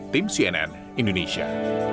tim cnn indonesia